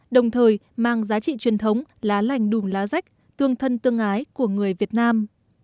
đồng thời mang giá trị truyền thống lá lành đùm lá rách tương thân tương ái của người việt nam